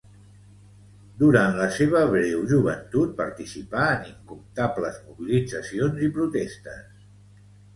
Durant la seva breu joventut participà en incomptables mobilitzacions i protestes.